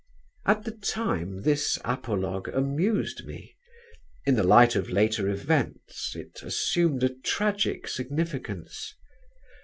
'" At the time this apologue amused me; in the light of later events it assumed a tragic significance.